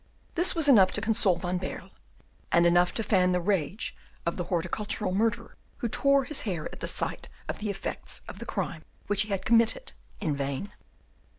This was enough to console Van Baerle, and enough to fan the rage of the horticultural murderer, who tore his hair at the sight of the effects of the crime which he had committed in vain.